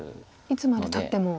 いつまでたっても。